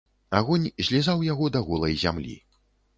Агонь злізаў яго да голай зямлі.